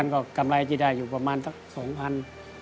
๖๐๐๐ก็กำไรจะได้อยู่ประมาณสัก๒๐๐๐